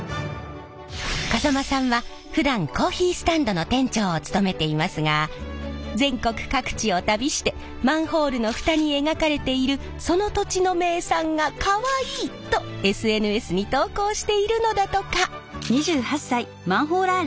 風間さんはふだんコーヒースタンドの店長を務めていますが全国各地を旅してマンホールの蓋に描かれている「その土地の名産がかわいい」とＳＮＳに投稿しているのだとか。